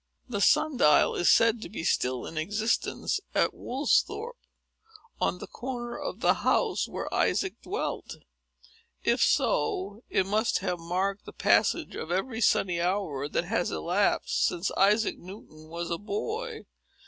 The sun dial is said to be still in existence at Woolsthorpe, on the corner of the house where Isaac dwelt. If so, it must have marked the passage of every sunny hour that has elapsed, since Isaac Newton was a boy.